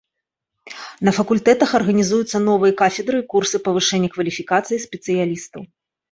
На факультэтах арганізуюцца новыя кафедры і курсы павышэння кваліфікацыі спецыялістаў.